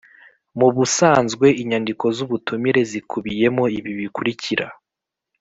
mubusanzwe Inyandiko z’ubutumire zikubiyemo ibi bikurikira.